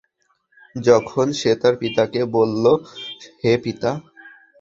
যখন সে তার পিতাকে বলল, হে পিতা!